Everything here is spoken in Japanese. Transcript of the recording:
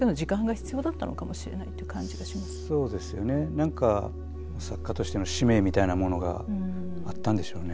何か作家としての使命みたいなものがあったんでしょうね。